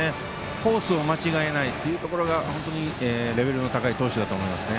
コースを間違えないところがレベルの高い投手だと思いますね。